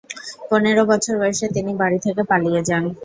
পনের বছর বয়সে তিনি বাড়ি থেকে পালিয়ে যান।